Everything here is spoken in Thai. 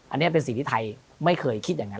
อันนี้เป็นสิ่งที่ไทยไม่เคยคิดอย่างนั้น